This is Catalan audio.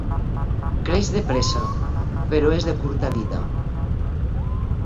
Creix de pressa, però és de curta vida.